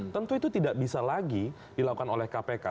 tentu itu tidak bisa lagi dilakukan oleh kpk